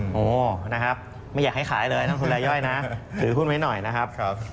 โอ้โหนะครับไม่อยากให้ขายเลยทั้งคุณรายย่อยนะถือหุ้นไว้หน่อยนะครับ